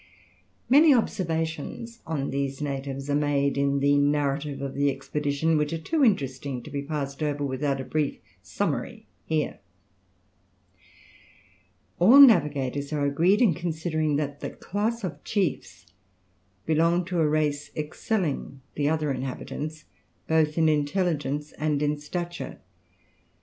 Many observations on these natives are made in the narrative of the expedition, which are too interesting to be passed over without a brief summary here. All navigators are agreed in considering that the class of chiefs belong to a race excelling the other inhabitants, both in intelligence and in stature.